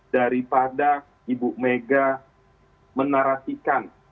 daripada ibu mega menarasikan